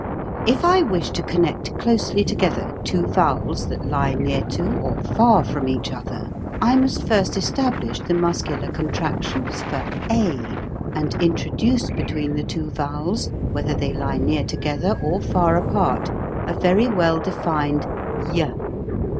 If I wish to connect closely together two vowels that lie near to or far from each other, I must first establish the muscular contractions for a, and introduce between the two vowels whether they lie near together or far apart, a very well defined y.